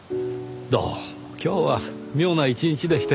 どうも今日は妙な一日でして。